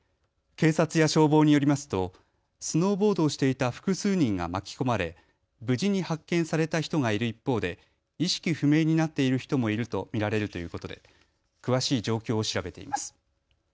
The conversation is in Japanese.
警察や消防によりますとスノーボードをしていた複数人が巻き込まれ無事に発見された人がいる一方で意識不明になっている人もいると見られるということで詳しい状況を調べています。